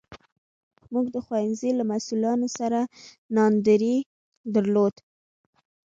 موږ د ښوونځي له مسوولانو سره ناندرۍ درلودې.